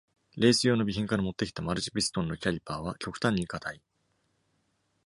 レース用の備品から持ってきたマルチピストンのキャリパーは、極端に硬い。